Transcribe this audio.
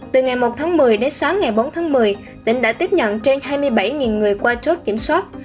từ ngày một tháng một mươi đến sáng ngày bốn tháng một mươi tỉnh đã tiếp nhận trên hai mươi bảy người qua chốt kiểm soát